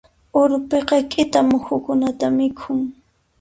Urpiqa k'ita muhukunata mikhun.